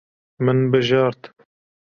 Min bijart.